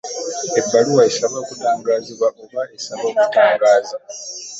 Ebbaluwa esaba okutangaazibwa oba esaba okutangaaza .